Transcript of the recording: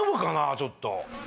ちょっと。